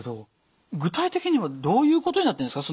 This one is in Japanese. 具体的にはどういうことになってるんですか？